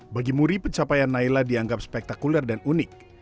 bagi muri pencapaian naila dianggap spektakuler dan unik